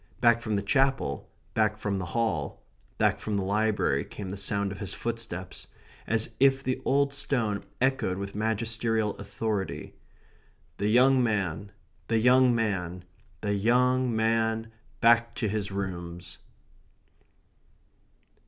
Back from the Chapel, back from the Hall, back from the Library, came the sound of his footsteps, as if the old stone echoed with magisterial authority: "The young man the young man the young man back to his rooms."